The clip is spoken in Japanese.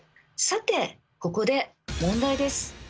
さてここで問題です。